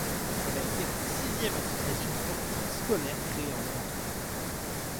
Elle a été la sixième association sportive scolaire créée en France.